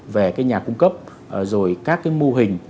về cái nhà cung cấp rồi các cái mô hình